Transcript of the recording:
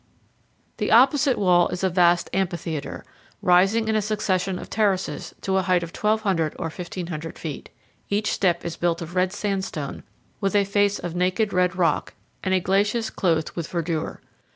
The opposite wall is a vast amphitheater, rising in a succession of terraces to a height of 1,200 or 1,500 feet. Each step is built of red sandstone, with a face of naked red rock and a glacis clothed with verdure.